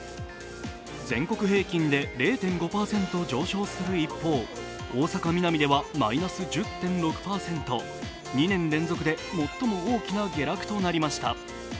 全国平均で０．５％上昇する一方、大阪・ミナミではマイナス１０．６％２年連続で最も大きな下落となりました。